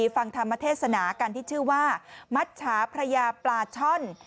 ฟังธรรมเทศนากันที่ชื่อว่ามัชชาพระยาปลาช่อน